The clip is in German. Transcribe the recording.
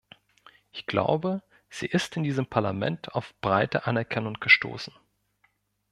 Ich glaube, sie ist in diesem Parlament auf breite Anerkennung gestoßen.